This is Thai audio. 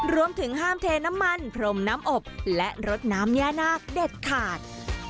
รวมถึงห้ามเทน้ำมันพรมน้ำอบและรดน้ำย่านาคเด็ดขาด